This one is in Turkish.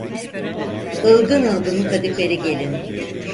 Ilgın ılgın kadifeli gelin.